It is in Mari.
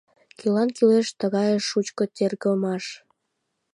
Кӧлан кӱлеш тыгае шучко тергымаш?